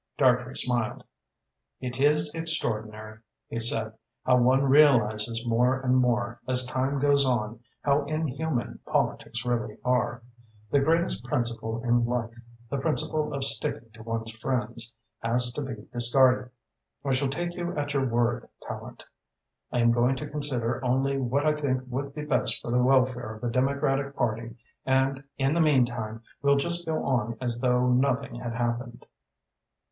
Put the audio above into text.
Dartrey smiled. "It is extraordinary," he said, "how one realises more and more, as time goes on, how inhuman politics really are. The greatest principle in life, the principle of sticking to one's friends, has to be discarded. I shall take you at your word, Tallente. I am going to consider only what I think would be best for the welfare of the Democratic Party and in the meantime we'll just go on as though nothing had happened."